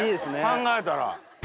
考えたら。